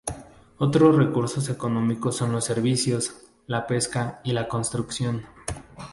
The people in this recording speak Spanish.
Otros recursos económicos son los servicios, la pesca y la construcción.